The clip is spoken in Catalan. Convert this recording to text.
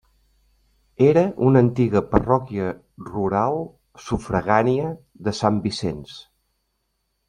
Era una antiga parròquia rural, sufragània de Sant Vicenç.